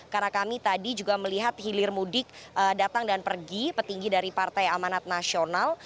karena kami tadi juga melihat hilir mudik datang dan pergi petinggi dari partai amanat nasional